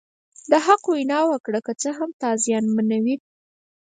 د حق وینا وکړه که څه هم تا زیانمنوي.